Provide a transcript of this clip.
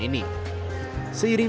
seiring dengan perkembangan